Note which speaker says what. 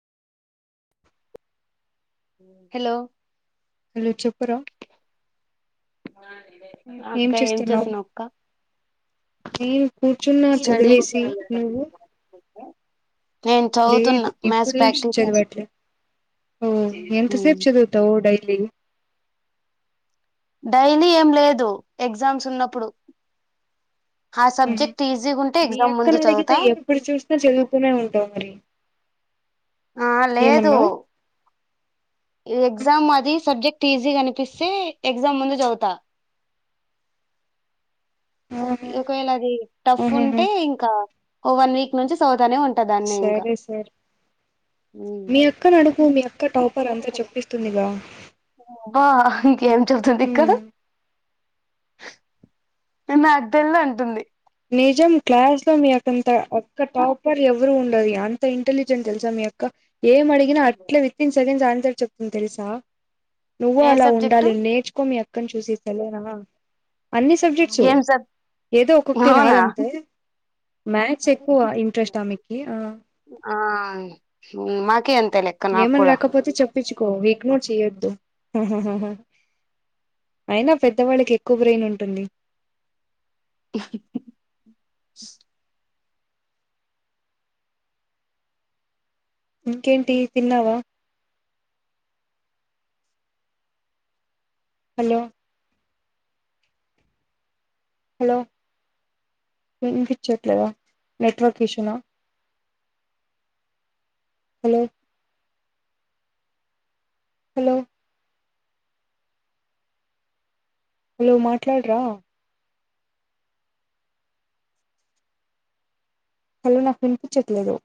Speaker 1: Hello
Speaker 2: hello చెప్పురా
Speaker 1: అక్క ఏం చేస్తున్నావ్ అక్క
Speaker 2: నేను కూర్చున్నా
Speaker 1: స్టడీ
Speaker 2: చదివేసి నువ్వు
Speaker 1: నేను చదువుతున్నా
Speaker 2: లేదు
Speaker 1: మ్యాథ్స్
Speaker 2: ఇప్పుడేం
Speaker 1: ప్రాక్టీస్
Speaker 2: చదవట్లే ఓ ఎంత సేపు
Speaker 1: చేస్తున్నా
Speaker 2: చదువుతావు డైలీ
Speaker 1: డైలీ ఏం లేదు ఎగ్జామ్స్ ఉన్నప్పుడు ఆ
Speaker 2: ఉహూ
Speaker 1: సబ్జెక్ట్ ఈజీగా ఉంటే
Speaker 2: మీ
Speaker 1: ఎగ్జామ్ ముందు
Speaker 2: అక్కనడిగితే
Speaker 1: చదువుతా
Speaker 2: ఎప్పుడు చూసినా చదువుతూనే ఉంటావు మరి [inaudible]
Speaker 1: ఆ లేదు
Speaker 2: ఏమన్నావు
Speaker 1: ఎగ్జామ్ అది సబ్జెక్ట్ ఈజీగా అనిపిస్తే ఎగ్జామ్ ముందు చదువుతా
Speaker 2: ఆహా,
Speaker 1: ఒకవేళ అది టఫ్
Speaker 2: ఆహాహా
Speaker 1: ఉంటే ఇంకా ఓ వన్ వీక్ నుంచి స
Speaker 2: సరే సర మీ అక్క నీ అడు టాఫర్ అంతా చెప్పిస్తుందిగా
Speaker 1: వా ఏం చల్తుందిక్క
Speaker 2: మ్మ్.
Speaker 1: నా అద్దెల్లు అంటుంది
Speaker 2: నిజం క్లాస్ లో మీ యంత అక్క టాపర్ ఎవరు ఉండరూ అంత ఇంటెలిజెంట్ తెలుసా మీ అక్క ఏం అడిగినా అట్లే విత్తిన్ సెకండ్స్ ఆన్సర్ చెప్తుంది తెలుసా నువ్వు
Speaker 1: ఏ
Speaker 2: అలా
Speaker 1: సబ్జెక్టు
Speaker 2: ఉండాలి నేర్చుకో మీ అక్కను చూసి సరేనా అన్ని సబ్జెక్ట్సు
Speaker 1: ఏం సబ్
Speaker 2: ఏదో ఒక టి
Speaker 1: అవునా
Speaker 2: రాదంతే మ్యాథ్స్ ఎక్కువ ఇంట్రెస్ట్ ఆమీకి ఆ
Speaker 1: మాకే అంత
Speaker 2: ఏమన రాకపోతే చెప్పించుకో ఇగ్నోర్ చెయ్యొద్దు అయినా పెద్దవాళ్ళకి ఎక్కువ బ్రెయిన్ ఉంటుంది ఇంకేంటి తిన్నావా హలో హలో వినిపించట్లేదా నెట్వర్క్ ఇష్యూనా హలో హలో హలో మాట్లాడరా హలో నాకు వినిపించట్లేదు